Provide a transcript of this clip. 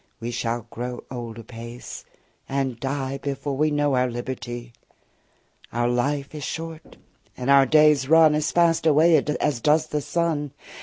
We shall grow old apace, and die Before we know our liberty. 60 Our life is short, and our days run As fast away as does the sun.